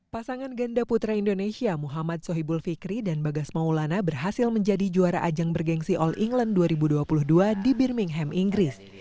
pasangan ganda putra indonesia muhammad sohibul fikri dan bagas maulana berhasil menjadi juara ajang bergensi all england dua ribu dua puluh dua di birmingham inggris